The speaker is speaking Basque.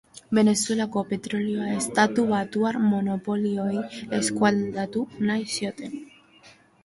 Venezuelako petrolioa estatu batuar monopolioei eskualdatu nahi zioten.